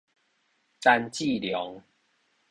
陳志隆